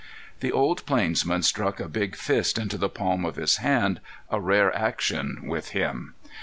The old plainsman struck a big fist into the palm of his hand, a rare action with him.